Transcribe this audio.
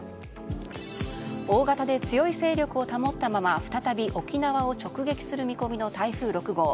大型で強い勢力を保ったまま再び沖縄を直撃する見込みの台風６号。